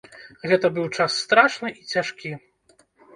Гэта быў час страшны і цяжкі.